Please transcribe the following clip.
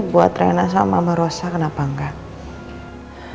buat rena sama mama rosa kenapa enggak